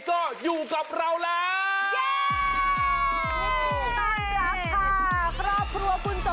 ขอบคุณค่ะขอบคุณค่ะขอบคุณค่ะ